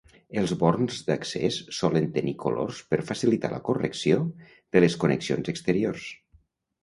Els borns d'accés solen tenir colors per facilitar la correcció de les connexions exteriors.